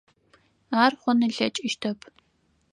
Ар хъун ылъэкӏыщтэп.